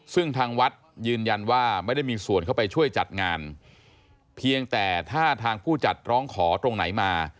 ซึ่งทางวัดยืนยันว่าไม่ได้มีส่วนเข้าไปช่วยจัดงานเพียงแต่ถ้าทางผู้จัดร้องขอตรงไหนมา